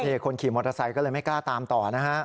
ถ้าขนวนขี่มอเตอร์ไซค์ก็เลยไม่กล้าตามต่อนะครับ